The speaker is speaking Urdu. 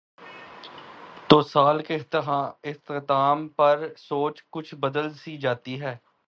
تو سال کے اختتام پر سوچ کچھ بدل سی جاتی ہے۔